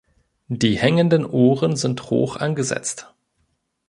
Die hängenden Ohren sind hoch angesetzt.